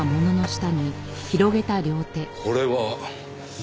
これは。